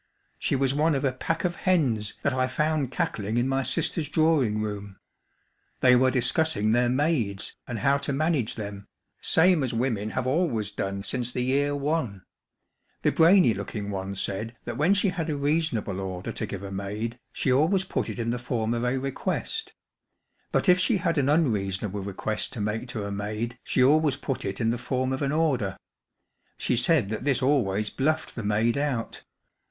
She was one of a pack of hens that I found cackling in my sister's drawing room. They were discussing their naaids and how to manage them, same as women have always done since the year one. The brainy Looking one said that when she had a reasonable order to give a maid, she always put it in the form of a request: but if she had an unreason¬ able request to make to a maid she always put it in the form of an order. She said that this always bluffed the maid out.